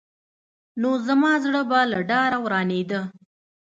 نو زما زړه به له ډاره ورانېده.